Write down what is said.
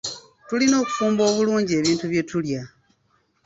Tulina okufumba obulungi ebintu bye tulya.